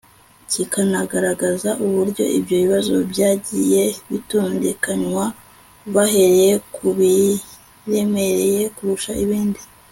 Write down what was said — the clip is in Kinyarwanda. kikanagaragaza uburyo ibyo bibazo byagiye bitondekanywa bahereye ku biremereye kurusha ibindi